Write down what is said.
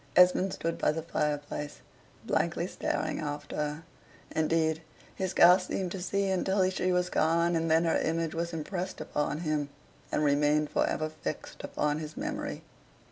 Esmond stood by the fireplace, blankly staring after her. Indeed, he scarce seemed to see until she was gone; and then her image was impressed upon him, and remained for ever fixed upon his memory.